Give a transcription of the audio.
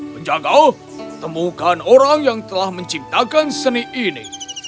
penjaga temukan orang yang telah menciptakan seni ini